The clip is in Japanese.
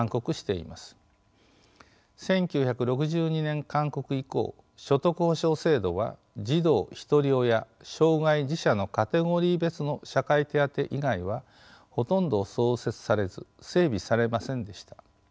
１９６２年勧告以降所得保障制度は児童ひとり親障害児・者のカテゴリー別の社会手当以外はほとんど創設されず整備されませんでした。